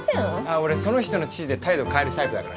俺その人の地位で態度変えるタイプだから。